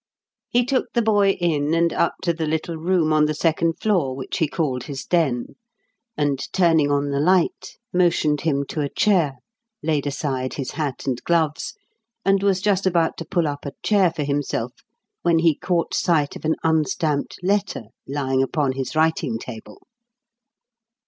He took the boy in and up to the little room on the second floor which he called his den; and, turning on the light, motioned him to a chair, laid aside his hat and gloves, and was just about to pull up a chair for himself when he caught sight of an unstamped letter lying upon his writing table.